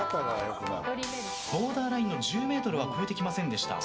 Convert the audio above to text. ボーダーラインの１０ｍは超えてきませんでした。